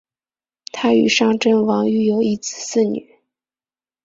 她与尚贞王育有一子四女。